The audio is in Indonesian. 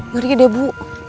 ngeri deh bu